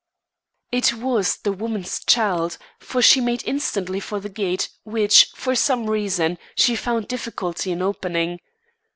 It was the woman's child, for she made instantly for the gate which, for some reason, she found difficulty in opening.